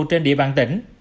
trên địa bàn tỉnh